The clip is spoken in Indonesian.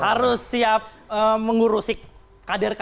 harus siap mengurusi kader kader